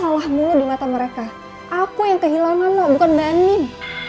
kayaknya salah mulu di mata mereka aku yang kehilangan mbak bukan mbak andin